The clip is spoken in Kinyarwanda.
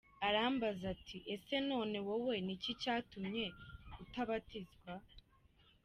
Arambaza ati :” Ese none wowe ni iki cyatumye utabatizwa ?